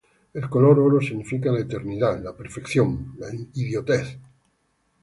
El color oro significa la eternidad, la perfección.